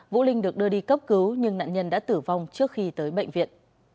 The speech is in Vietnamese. vũ linh được đưa đi cấp cứu nhưng nạn nhân đã tử vong trước khi tới bệnh viện